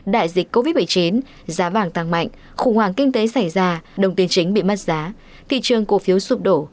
đại dịch covid một mươi chín giá vàng tăng mạnh khủng hoảng kinh tế xảy ra đồng tiền chính bị mất giá thị trường cổ phiếu sụp đổ